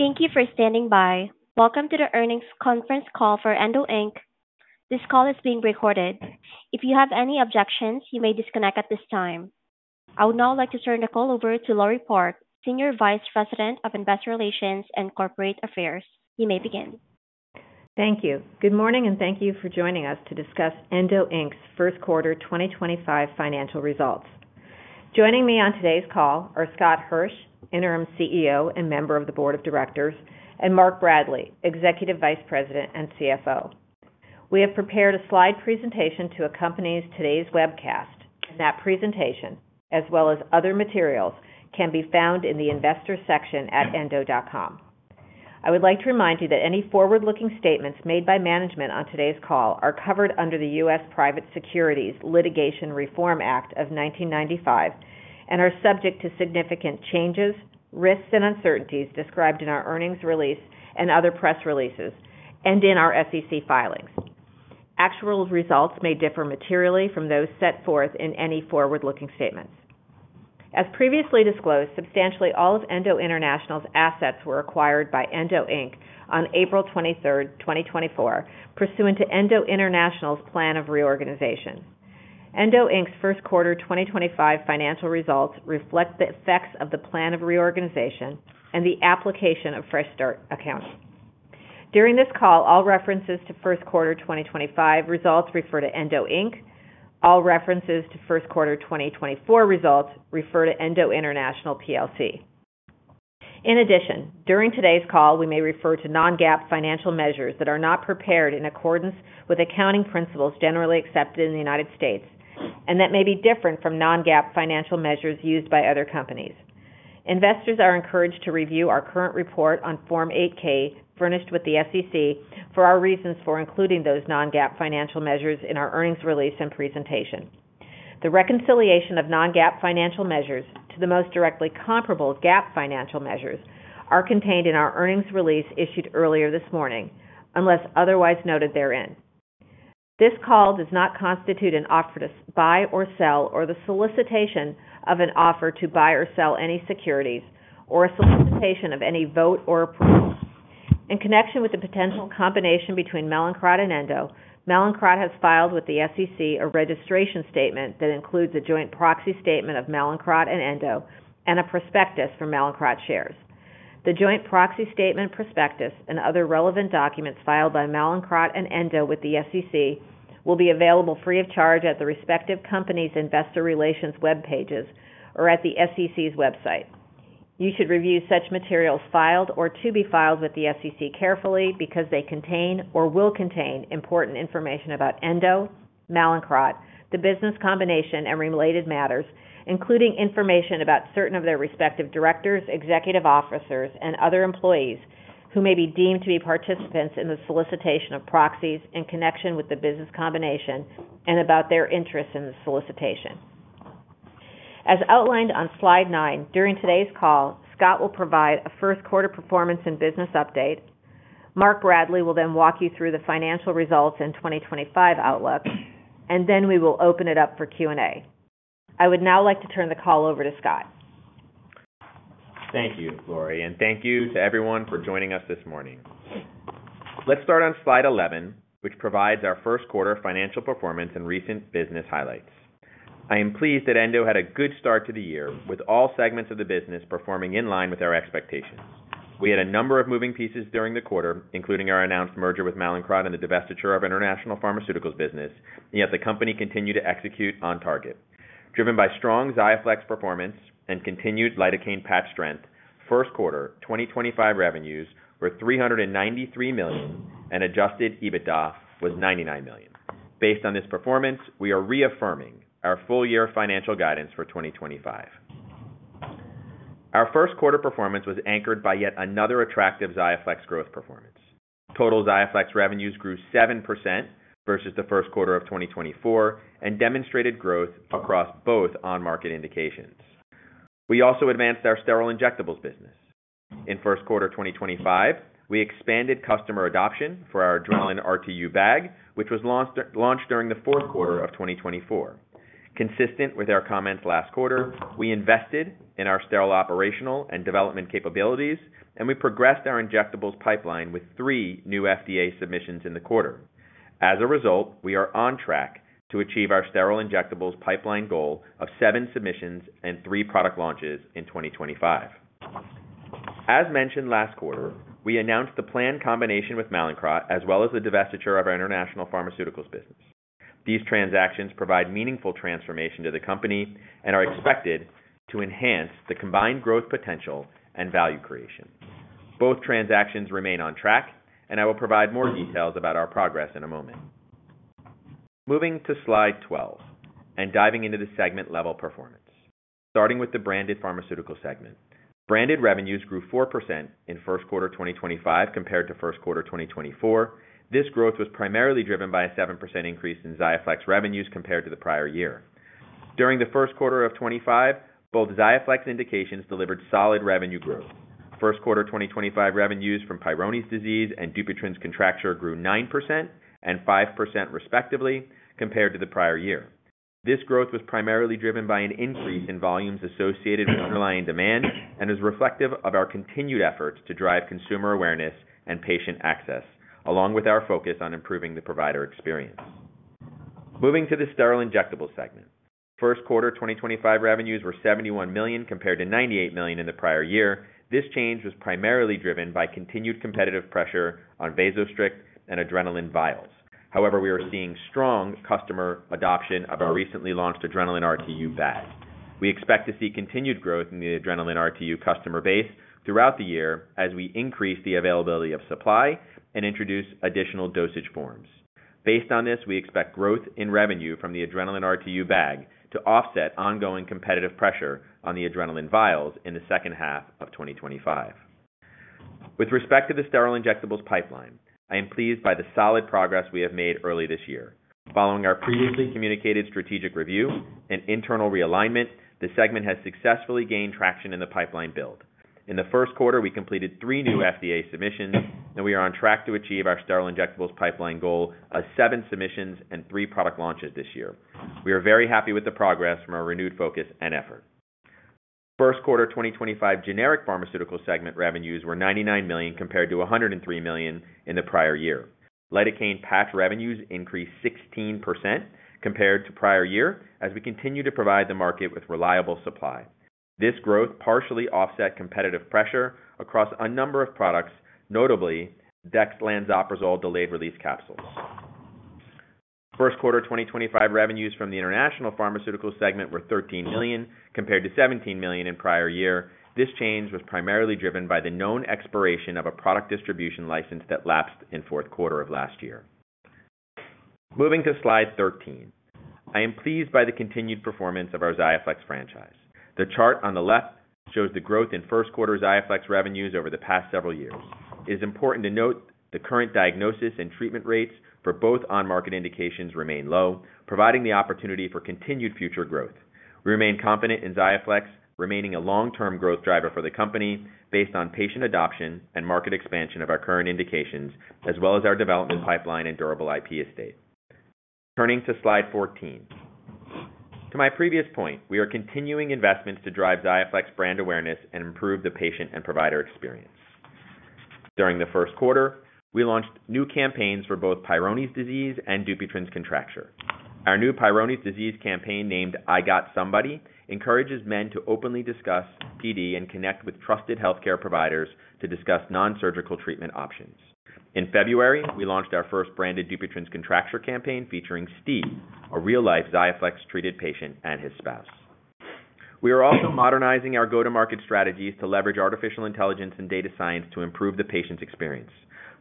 Thank you for standing by. Welcome to the earnings conference call for Endo Inc. This call is being recorded. If you have any objections, you may disconnect at this time. I would now like to turn the call over to Laure Park, Senior Vice President of Investor Relations and Corporate Affairs. You may begin. Thank you. Good morning, and thank you for joining us to discuss Endo's first quarter 2025 financial results. Joining me on today's call are Scott Hirsch, Interim CEO and member of the Board of Directors, and Mark Bradley, Executive Vice President and CFO. We have prepared a slide presentation to accompany today's webcast, and that presentation, as well as other materials, can be found in the investor section at endo.com. I would like to remind you that any forward-looking statements made by management on today's call are covered under the U.S. Private Securities Litigation Reform Act of 1995 and are subject to significant changes, risks, and uncertainties described in our earnings release and other press releases, and in our SEC filings. Actual results may differ materially from those set forth in any forward-looking statements. As previously disclosed, substantially all of Endo International's assets were acquired by Endo Inc. on April 23rd, 2024, pursuant to Endo International's plan of reorganization. Endo Inc's first quarter 2025 financial results reflect the effects of the plan of reorganization and the application of fresh start accounting. During this call, all references to first quarter 2025 results refer to Endo Inc. All references to first quarter 2024 results refer to Endo International Plc. In addition, during today's call, we may refer to non-GAAP financial measures that are not prepared in accordance with accounting principles generally accepted in the United States and that may be different from non-GAAP financial measures used by other companies. Investors are encouraged to review our current report on Form 8-K, furnished with the SEC, for our reasons for including those non-GAAP financial measures in our earnings release and presentation. The reconciliation of non-GAAP financial measures to the most directly comparable GAAP financial measures are contained in our earnings release issued earlier this morning, unless otherwise noted therein. This call does not constitute an offer to buy or sell or the solicitation of an offer to buy or sell any securities or a solicitation of any vote or approval. In connection with the potential combination between Mallinckrodt and Endo, Mallinckrodt has filed with the SEC a registration statement that includes a joint proxy statement of Mallinckrodt and Endo and a prospectus for Mallinckrodt shares. The joint proxy statement, prospectus, and other relevant documents filed by Mallinckrodt and Endo with the SEC will be available free of charge at the respective company's investor relations web pages or at the SEC's website. You should review such materials filed or to be filed with the SEC carefully because they contain or will contain important information about Endo, Mallinckrodt, the business combination, and related matters, including information about certain of their respective directors, executive officers, and other employees who may be deemed to be participants in the solicitation of proxies in connection with the business combination and about their interests in the solicitation. As outlined on slide nine, during today's call, Scott will provide a first quarter performance and business update. Mark Bradley will then walk you through the financial results and 2025 outlook, and then we will open it up for Q&A. I would now like to turn the call over to Scott. Thank you, Laure, and thank you to everyone for joining us this morning. Let's start on slide 11, which provides our first quarter financial performance and recent business highlights. I am pleased that Endo had a good start to the year with all segments of the business performing in line with our expectations. We had a number of moving pieces during the quarter, including our announced merger with Mallinckrodt and the divestiture of International Pharmaceuticals business, yet the company continued to execute on target. Driven by strong XIAFLEX performance and continued lidocaine patch strength, first quarter 2025 revenues were $393 million, and adjusted EBITDA was $99 million. Based on this performance, we are reaffirming our full year financial guidance for 2025. Our first quarter performance was anchored by yet another attractive XIAFLEX growth performance. Total XIAFLEX revenues grew 7% versus the first quarter of 2024 and demonstrated growth across both on-market indications. We also advanced our sterile injectables business. In first quarter 2025, we expanded customer adoption for our ADRENALIN RTU bag, which was launched during the fourth quarter of 2024. Consistent with our comments last quarter, we invested in our sterile operational and development capabilities, and we progressed our injectables pipeline with three new FDA submissions in the quarter. As a result, we are on track to achieve our sterile injectables pipeline goal of seven submissions and three product launches in 2025. As mentioned last quarter, we announced the planned combination with Mallinckrodt as well as the divestiture of our International Pharmaceuticals business. These transactions provide meaningful transformation to the company and are expected to enhance the combined growth potential and value creation. Both transactions remain on track, and I will provide more details about our progress in a moment. Moving to slide 12 and diving into the segment level performance, starting with the branded pharmaceutical segment. Branded revenues grew 4% in first quarter 2025 compared to first quarter 2024. This growth was primarily driven by a 7% increase in XIAFLEX revenues compared to the prior year. During the first quarter of 2025, both XIAFLEX indications delivered solid revenue growth. First quarter 2025 revenues from Peyronie's disease and Dupuytren's contracture grew 9% and 5% respectively compared to the prior year. This growth was primarily driven by an increase in volumes associated with underlying demand and is reflective of our continued efforts to drive consumer awareness and patient access, along with our focus on improving the provider experience. Moving to the sterile injectables segment, first quarter 2025 revenues were $71 million compared to $98 million in the prior year. This change was primarily driven by continued competitive pressure on VASOSTRICT and ADRENALIN vials. However, we are seeing strong customer adoption of our recently launched ADRENALIN RTU bag. We expect to see continued growth in the ADRENALIN RTU customer base throughout the year as we increase the availability of supply and introduce additional dosage forms. Based on this, we expect growth in revenue from the ADRENALIN RTU bag to offset ongoing competitive pressure on the ADRENALIN vials in the second half of 2025. With respect to the sterile injectables pipeline, I am pleased by the solid progress we have made early this year. Following our previously communicated strategic review and internal realignment, the segment has successfully gained traction in the pipeline build. In the first quarter, we completed three new FDA submissions, and we are on track to achieve our sterile injectables pipeline goal of seven submissions and three product launches this year. We are very happy with the progress from our renewed focus and effort. First quarter 2025 generic pharmaceutical segment revenues were $99 million compared to $103 million in the prior year. Lidocaine patch revenues increased 16% compared to prior year as we continue to provide the market with reliable supply. This growth partially offset competitive pressure across a number of products, notably Dexlansoprazole delayed-release capsules. First quarter 2025 revenues from the international pharmaceuticals segment were $13 million compared to $17 million in prior year. This change was primarily driven by the known expiration of a product distribution license that lapsed in fourth quarter of last year. Moving to slide 13, I am pleased by the continued performance of our XIAFLEX franchise. The chart on the left shows the growth in first quarter XIAFLEX revenues over the past several years. It is important to note the current diagnosis and treatment rates for both on-market indications remain low, providing the opportunity for continued future growth. We remain confident in XIAFLEX remaining a long-term growth driver for the company based on patient adoption and market expansion of our current indications, as well as our development pipeline and durable IP estate. Turning to slide 14, to my previous point, we are continuing investments to drive XIAFLEX brand awareness and improve the patient and provider experience. During the first quarter, we launched new campaigns for both Peyronie's disease and Dupuytren's contracture. Our new Peyronie's disease campaign named "I Got Somebody" encourages men to openly discuss PD and connect with trusted healthcare providers to discuss non-surgical treatment options. In February, we launched our first branded Dupuytren's contracture campaign featuring Steve, a real-life XIAFLEX-treated patient and his spouse. We are also modernizing our go-to-market strategies to leverage artificial intelligence and data science to improve the patient's experience.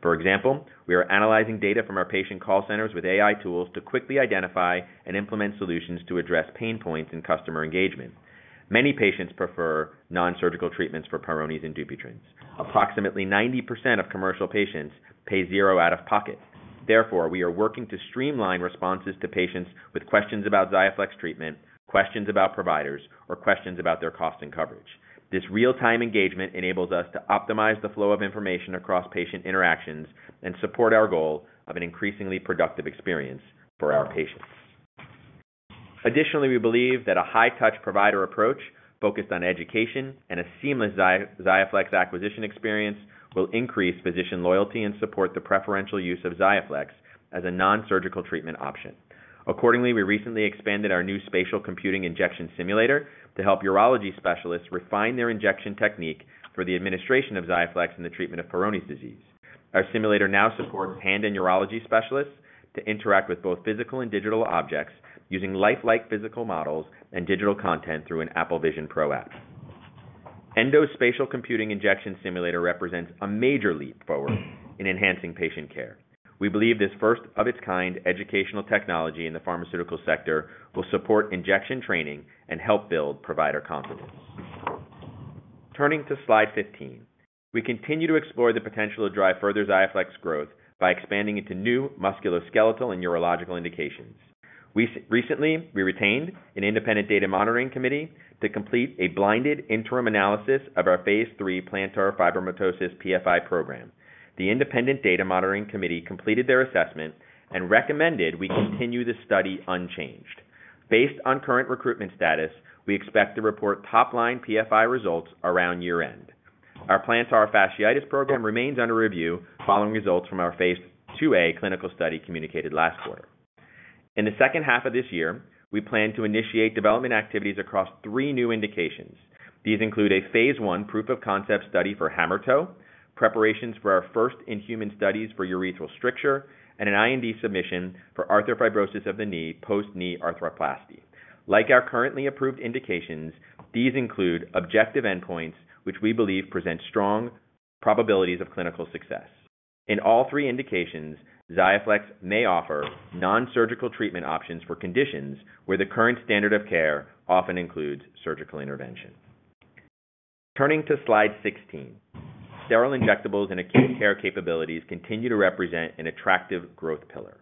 For example, we are analyzing data from our patient call centers with AI tools to quickly identify and implement solutions to address pain points in customer engagement. Many patients prefer non-surgical treatments for Peyronie's and Dupuytren's. Approximately 90% of commercial patients pay zero out of pocket. Therefore, we are working to streamline responses to patients with questions about XIAFLEX treatment, questions about providers, or questions about their cost and coverage. This real-time engagement enables us to optimize the flow of information across patient interactions and support our goal of an increasingly productive experience for our patients. Additionally, we believe that a high-touch provider approach focused on education and a seamless XIAFLEX acquisition experience will increase physician loyalty and support the preferential use of XIAFLEX as a non-surgical treatment option. Accordingly, we recently expanded our new spatial computing injection simulator to help urology specialists refine their injection technique for the administration of XIAFLEX in the treatment of Peyronie's disease. Our simulator now supports hand and urology specialists to interact with both physical and digital objects using lifelike physical models and digital content through an Apple Vision Pro app. Endo spatial computing injection simulator represents a major leap forward in enhancing patient care. We believe this first-of-its-kind educational technology in the pharmaceutical sector will support injection training and help build provider confidence. Turning to slide 15, we continue to explore the potential to drive further XIAFLEX growth by expanding into new musculoskeletal and urological indications. Recently, we retained an independent data monitoring committee to complete a blinded interim analysis of our phase III plantar fibromatosis PFI program. The independent data monitoring committee completed their assessment and recommended we continue the study unchanged. Based on current recruitment status, we expect to report top-line PFI results around year-end. Our plantar fasciitis program remains under review following results from our phase 2a clinical study communicated last quarter. In the second half of this year, we plan to initiate development activities across three new indications. These include a phase I proof of concept study for hammertoe, preparations for our first in-human studies for urethral stricture, and an IND submission for arthrofibrosis of the knee post-knee arthroplasty. Like our currently approved indications, these include objective endpoints, which we believe present strong probabilities of clinical success. In all three indications, XIAFLEX may offer non-surgical treatment options for conditions where the current standard of care often includes surgical intervention. Turning to slide 16, sterile injectables and acute care capabilities continue to represent an attractive growth pillar.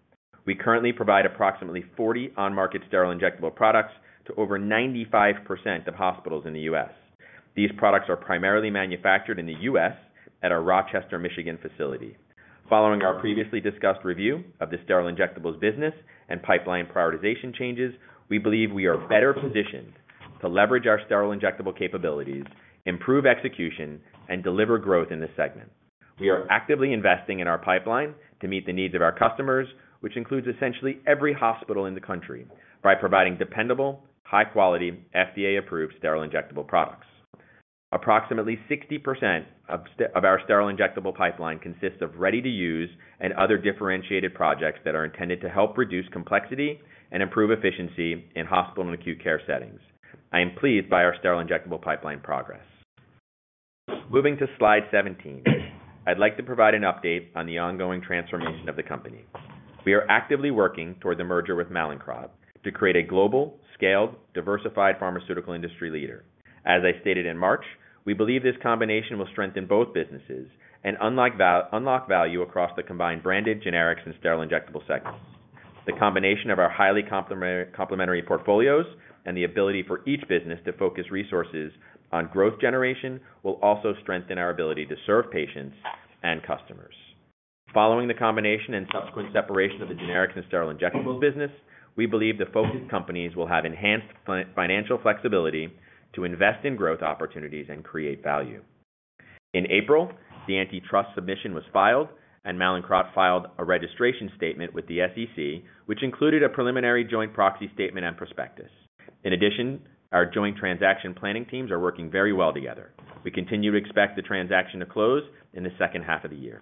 We currently provide approximately 40 on-market sterile injectable products to over 95% of hospitals in the U.S. These products are primarily manufactured in the U.S. at our Rochester, Michigan facility. Following our previously discussed review of the sterile injectables business and pipeline prioritization changes, we believe we are better positioned to leverage our sterile injectable capabilities, improve execution, and deliver growth in this segment. We are actively investing in our pipeline to meet the needs of our customers, which includes essentially every hospital in the country, by providing dependable, high-quality, FDA-approved sterile injectable products. Approximately 60% of our sterile injectable pipeline consists of ready-to-use and other differentiated projects that are intended to help reduce complexity and improve efficiency in hospital and acute care settings. I am pleased by our sterile injectable pipeline progress. Moving to slide 17, I'd like to provide an update on the ongoing transformation of the company. We are actively working toward the merger with Mallinckrodt to create a global, scaled, diversified pharmaceutical industry leader. As I stated in March, we believe this combination will strengthen both businesses and unlock value across the combined branded generics and sterile injectable segments. The combination of our highly complementary portfolios and the ability for each business to focus resources on growth generation will also strengthen our ability to serve patients and customers. Following the combination and subsequent separation of the generics and sterile injectables business, we believe the focused companies will have enhanced financial flexibility to invest in growth opportunities and create value. In April, the antitrust submission was filed, and Mallinckrodt filed a registration statement with the U.S. Securities and Exchange Commission, which included a preliminary joint proxy statement and prospectus. In addition, our joint transaction planning teams are working very well together. We continue to expect the transaction to close in the second half of the year.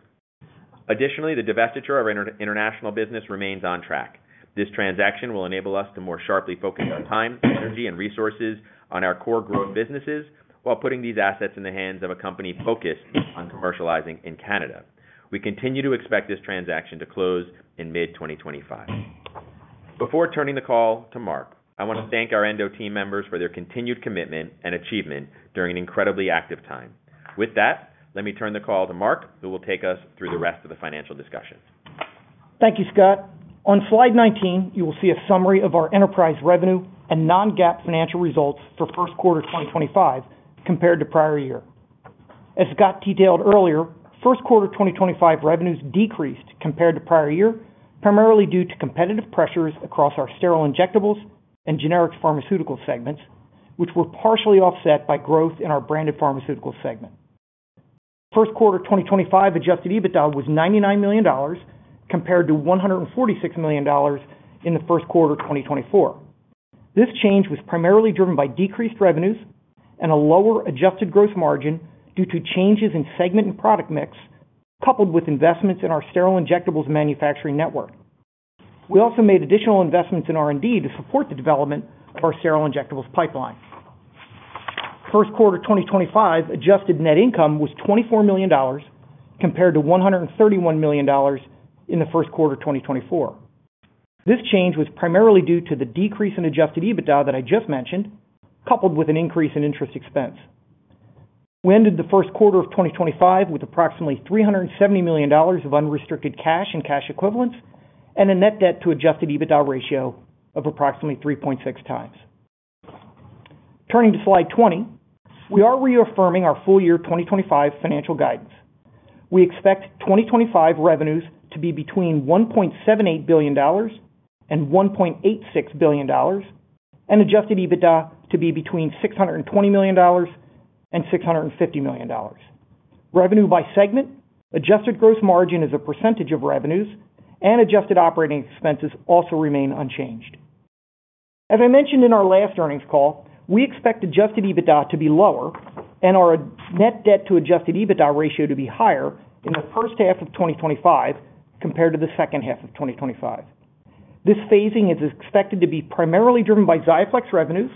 Additionally, the divestiture of international business remains on track. This transaction will enable us to more sharply focus our time, energy, and resources on our core growth businesses while putting these assets in the hands of a company focused on commercializing in Canada. We continue to expect this transaction to close in mid-2025. Before turning the call to Mark, I want to thank our Endo team members for their continued commitment and achievement during an incredibly active time. With that, let me turn the call to Mark, who will take us through the rest of the financial discussion. Thank you, Scott. On slide 19, you will see a summary of our enterprise revenue and non-GAAP financial results for first quarter 2025 compared to prior year. As Scott detailed earlier, first quarter 2025 revenues decreased compared to prior year primarily due to competitive pressures across our sterile injectables and generic pharmaceutical segments, which were partially offset by growth in our branded pharmaceutical segment. First quarter 2025 adjusted EBITDA was $99 million compared to $146 million in the first quarter 2024. This change was primarily driven by decreased revenues and a lower adjusted gross margin due to changes in segment and product mix coupled with investments in our sterile injectables manufacturing network. We also made additional investments in R&D to support the development of our sterile injectables pipeline. First quarter 2025 adjusted net income was $24 million compared to $131 million in the first quarter 2024. This change was primarily due to the decrease in adjusted EBITDA that I just mentioned, coupled with an increase in interest expense. We ended the first quarter of 2025 with approximately $370 million of unrestricted cash and cash equivalents and a net debt to adjusted EBITDA ratio of approximately 3.6x. Turning to slide 20, we are reaffirming our full year 2025 financial guidance. We expect 2025 revenues to be between $1.78 billion and $1.86 billion and adjusted EBITDA to be between $620 million and $650 million. Revenue by segment, adjusted gross margin as a percentage of revenues, and adjusted operating expenses also remain unchanged. As I mentioned in our last earnings call, we expect adjusted EBITDA to be lower and our net debt to adjusted EBITDA ratio to be higher in the first half of 2025 compared to the second half of 2025. This phasing is expected to be primarily driven by XIAFLEX revenues,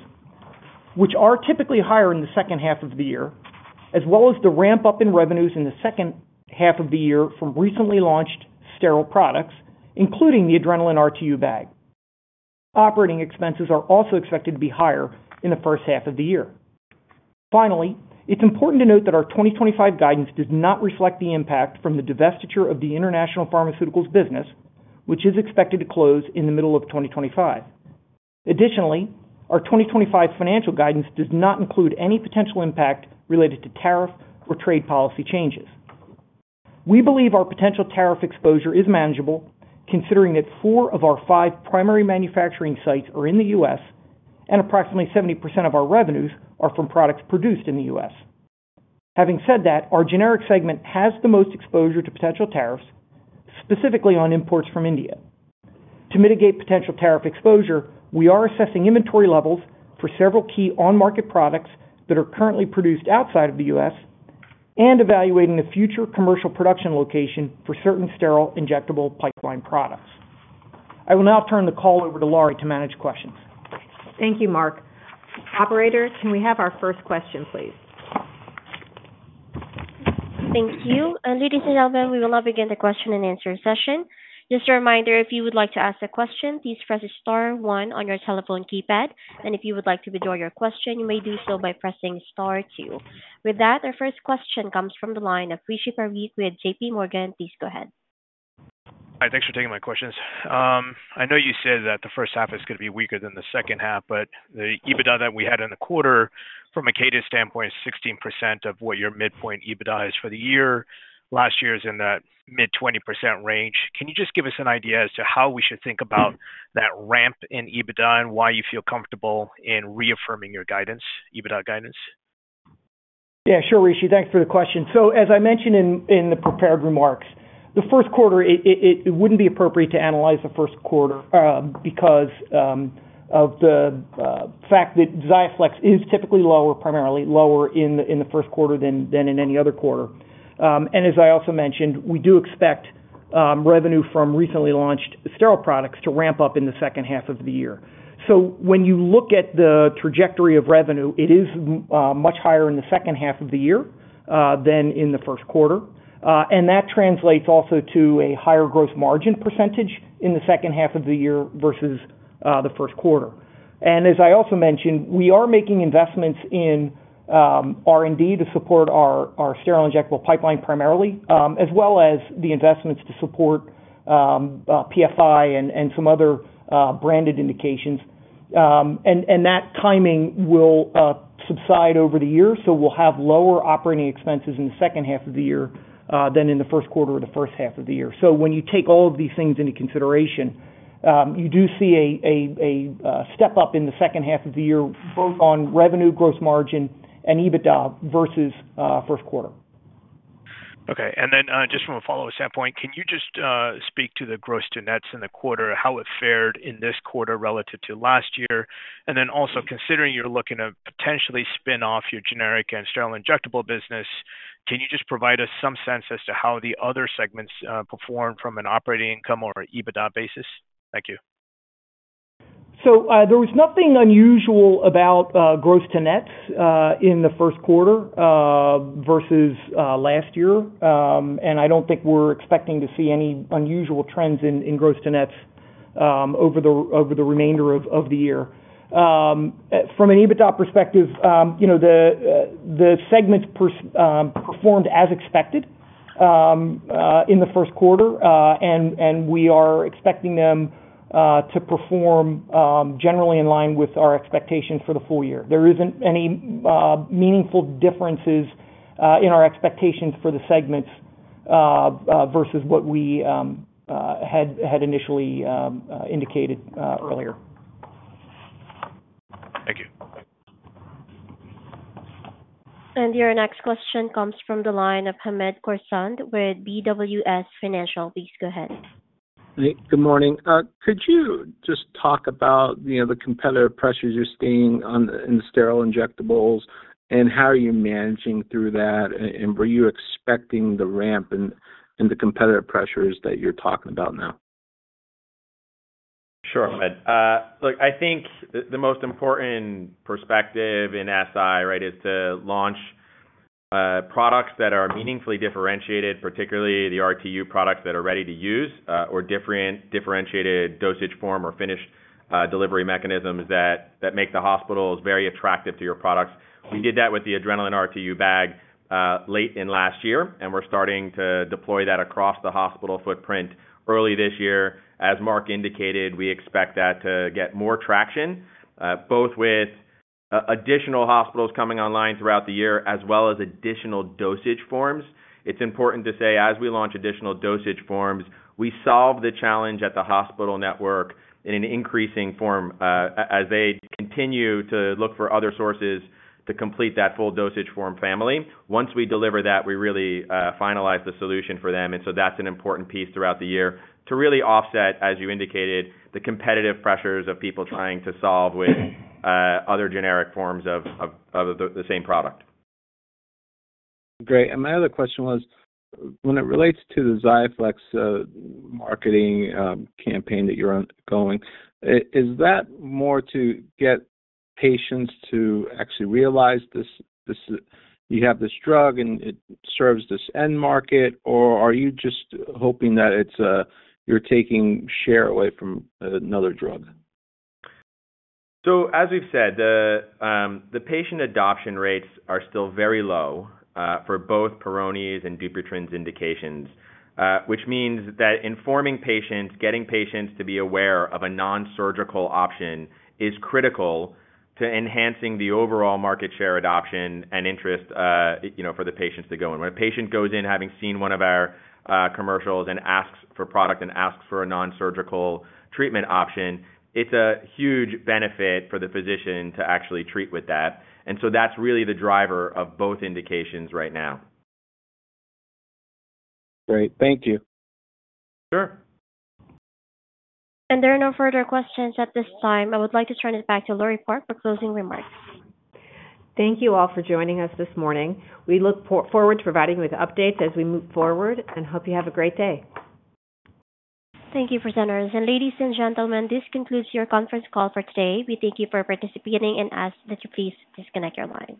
which are typically higher in the second half of the year, as well as the ramp-up in revenues in the second half of the year from recently launched sterile products, including the ADRENALIN RTU bag. Operating expenses are also expected to be higher in the first half of the year. Finally, it's important to note that our 2025 guidance does not reflect the impact from the divestiture of the International Pharmaceuticals business, which is expected to close in the middle of 2025. Additionally, our 2025 financial guidance does not include any potential impact related to tariff or trade policy changes. We believe our potential tariff exposure is manageable, considering that four of our five primary manufacturing sites are in the U.S. and approximately 70% of our revenues are from products produced in the U.S. Having said that, our generic segment has the most exposure to potential tariffs, specifically on imports from India. To mitigate potential tariff exposure, we are assessing inventory levels for several key on-market products that are currently produced outside of the U.S. and evaluating a future commercial production location for certain sterile injectable pipeline products. I will now turn the call over to Laure to manage questions. Thank you, Mark. Operator, can we have our first question, please? Thank you. Ladies and gentlemen, we will now begin the question-and-answer session. Just a reminder, if you would like to ask a question, please press star one on your telephone keypad, and if you would like to withdraw your question, you may do so by pressing star two. With that, our first question comes from the line of Rishi Parekh, with JPMorgan. Please go ahead. Hi. Thanks for taking my questions. I know you said that the first half is going to be weaker than the second half, but the EBITDA that we had in the quarter, from a cadence standpoint, is 16% of what your midpoint EBITDA is for the year. Last year is in that mid-20% range. Can you just give us an idea as to how we should think about that ramp in EBITDA and why you feel comfortable in reaffirming your guidance, EBITDA guidance? Yeah, sure, Rishi. Thanks for the question. As I mentioned in the prepared remarks, the first quarter, it would not be appropriate to analyze the first quarter because of the fact that XIAFLEX is typically lower, primarily lower in the first quarter than in any other quarter. As I also mentioned, we do expect revenue from recently launched sterile products to ramp up in the second half of the year. When you look at the trajectory of revenue, it is much higher in the second half of the year than in the first quarter, and that translates also to a higher gross margin percentage in the second half of the year versus the first quarter. As I also mentioned, we are making investments in R&D to support our sterile injectable pipeline primarily, as well as the investments to support PFI and some other branded indications. That timing will subside over the year, so we'll have lower operating expenses in the second half of the year than in the first quarter or the first half of the year. When you take all of these things into consideration, you do see a step up in the second half of the year, both on revenue, gross margin, and EBITDA versus first quarter. Okay. Just from a follow-up standpoint, can you just speak to the gross to nets in the quarter, how it fared in this quarter relative to last year? Also, considering you're looking to potentially spin off your generic and sterile injectable business, can you just provide us some sense as to how the other segments perform from an operating income or EBITDA basis? Thank you. There was nothing unusual about gross to nets in the first quarter versus last year, and I do not think we're expecting to see any unusual trends in gross to nets over the remainder of the year. From an EBITDA perspective, the segments performed as expected in the first quarter, and we are expecting them to perform generally in line with our expectations for the full year. There is not any meaningful differences in our expectations for the segments versus what we had initially indicated earlier. Thank you. Your next question comes from the line of Hamed Khorsand with BWS Financial. Please go ahead. Good morning. Could you just talk about the competitive pressures you are seeing in the sterile injectables and how you are managing through that, and were you expecting the ramp in the competitive pressures that you are talking about now? Sure, Hamed. Look, I think the most important perspective in SI, right, is to launch products that are meaningfully differentiated, particularly the RTU products that are ready to use or differentiated dosage form or finished delivery mechanisms that make the hospitals very attractive to your products. We did that with the ADRENALIN RTU bag late in last year, and we're starting to deploy that across the hospital footprint early this year. As Mark indicated, we expect that to get more traction, both with additional hospitals coming online throughout the year as well as additional dosage forms. It's important to say, as we launch additional dosage forms, we solve the challenge at the hospital network in an increasing form as they continue to look for other sources to complete that full dosage form family. Once we deliver that, we really finalize the solution for them, and so that's an important piece throughout the year to really offset, as you indicated, the competitive pressures of people trying to solve with other generic forms of the same product. Great. My other question was, when it relates to the XIAFLEX marketing campaign that you're going, is that more to get patients to actually realize you have this drug and it serves this end market, or are you just hoping that you're taking share away from another drug? As we've said, the patient adoption rates are still very low for both Peyronie's and Dupuytren's indications, which means that informing patients, getting patients to be aware of a non-surgical option is critical to enhancing the overall market share adoption and interest for the patients to go in. When a patient goes in having seen one of our commercials and asks for product and asks for a non-surgical treatment option, it's a huge benefit for the physician to actually treat with that. That's really the driver of both indications right now. Great. Thank you. Sure. There are no further questions at this time. I would like to turn it back to Laure Park for closing remarks. Thank you all for joining us this morning. We look forward to providing you with updates as we move forward and hope you have a great day. Thank you, presenters. Ladies and gentlemen, this concludes your conference call for today. We thank you for participating and ask that you please disconnect your line.